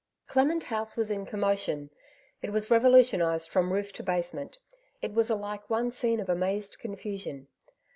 Clement House was in commotion \ it was revolu tionized from roof to basement; it was alike one scene of amazed confnsion.